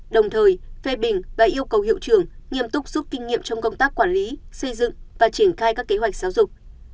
đồng thời phê bình và yêu cầu hiệu trường nghiêm túc rút kinh nghiệm trong công tác quản lý xây dựng và triển khai các kế hoạch giáo dục